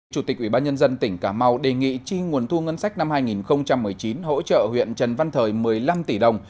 chủ tịch ubnd tỉnh cà mau đề nghị chi nguồn thu ngân sách năm hai nghìn một mươi chín hỗ trợ huyện trần văn thời một mươi năm tỷ đồng